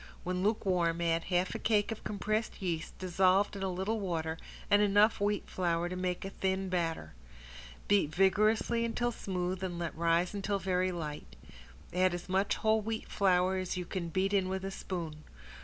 When lukewarm add half a cake of compressed yeast dissolved in a little water and enough wheat flour to make a thin batter. Beat vigorously until smooth and let rise until very light. Add as much whole wheat flour as you can beat in with a spoon.